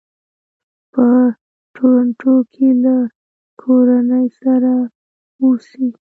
په ټورنټو کې له کورنۍ سره اوسي.